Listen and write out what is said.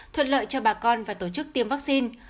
thuận lợi cho bà con và tổ chức tiêm vaccine